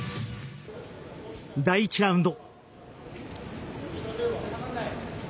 第１ラウンド。